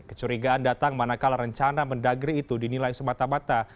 kecurigaan datang manakala rencana mendagri itu dinilai semata mata